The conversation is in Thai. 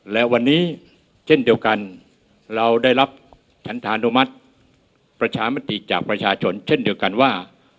และวันนี้เช่นเดียวกันเราได้รับฉันธานุมัติประชามติจากประชาชนเช่นเดียวกันว่า